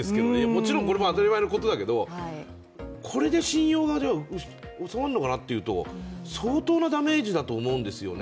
もちろんこれも当たり前のことだけどこれで信用が戻るのかなというと、相当なダメージだと思うんですよね。